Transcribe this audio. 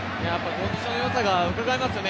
ポジションのよさがうかがえますよね。